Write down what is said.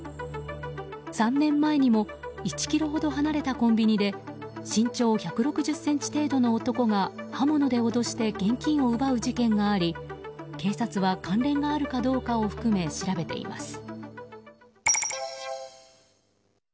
３年前にも１ｋｍほど離れたコンビニで身長１６０ｃｍ程度の男が刃物で脅して現金を奪う事件があり警察は関連があるかどうかを含め調べています。